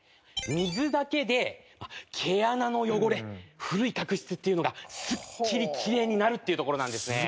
水だけで毛穴の汚れ古い角質っていうのがすっきりきれいになるっていうところなんですね。